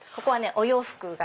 お洋服が。